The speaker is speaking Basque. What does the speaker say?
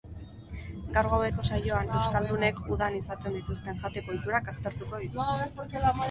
Gaur gaueko saioan, euskaldunek udan izaten dituzten jateko ohiturak aztertuko dituzte.